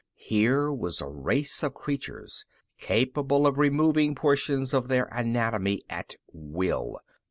Here was a race of creatures capable of removing portions of their anatomy at will.